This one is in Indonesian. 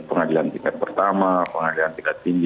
pengadilan tingkat pertama pengadilan tingkat tinggi